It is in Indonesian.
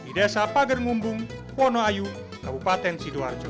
di desa pager ngumbung wonoayu kabupaten sidoarjo